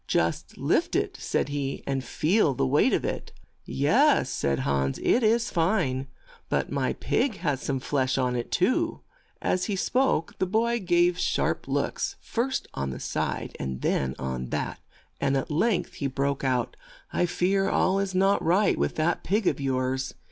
"Just lift it," said he, "and feel the weight of it." "Yes," said Hans, "it is fine ; but my pig has some flesh on it too. As he spoke the boy gave sharp looks, first on this side and then on that, and at length he broke out. "I fear all is not right with that pig of yours.